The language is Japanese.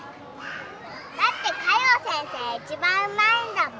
だって加用先生一番うまいんだもん。